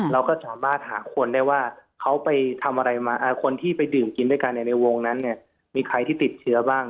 เราก็สามารถหาคนได้ว่าเขาไปทำอะไรมาคนที่ไปดื่มกินด้วยกันในวงนั้นเนี่ยมีใครที่ติดเชื้อบ้าง